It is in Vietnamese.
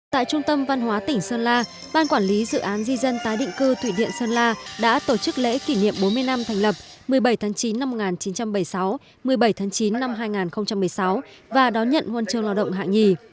tại trung tâm văn hóa tỉnh sơn la ban quản lý dự án di dân tái định cư thủy điện sơn la đã tổ chức lễ kỷ niệm bốn mươi năm thành lập một mươi bảy tháng chín năm một nghìn chín trăm bảy mươi sáu một mươi bảy tháng chín năm hai nghìn một mươi sáu và đón nhận huân trường lao động hạng nhì